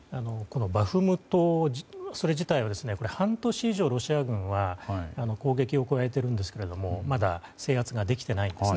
バフムト自体は半年以上、ロシア軍は攻撃を加えているんですがまだ、制圧ができていないんですね。